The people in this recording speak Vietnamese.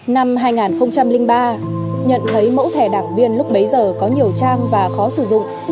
năm hai nghìn ba nhận thấy mẫu thẻ đảng viên lúc bấy giờ có nhiều trang và khó sử dụng